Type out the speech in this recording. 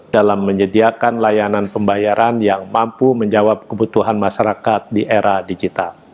dalam menyediakan layanan pembayaran yang mampu menjawab kebutuhan masyarakat di era digital